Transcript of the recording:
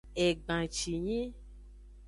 Egbancinyi.